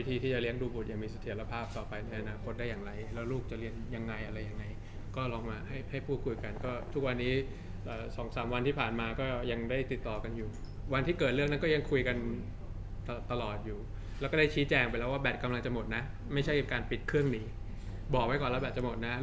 ที่จะเลี้ยงดูบุตรอย่างมีเสถียรภาพต่อไปในอนาคตได้อย่างไรแล้วลูกจะเรียนยังไงอะไรยังไงก็ลองมาให้ให้พูดคุยกันก็ทุกวันนี้สองสามวันที่ผ่านมาก็ยังได้ติดต่อกันอยู่วันที่เกิดเรื่องนั้นก็ยังคุยกันตลอดอยู่แล้วก็ได้ชี้แจงไปแล้วว่าแบตกำลังจะหมดนะไม่ใช่การปิดเครื่องหนีบอกไว้ก่อนแล้วแบตจะหมดนะ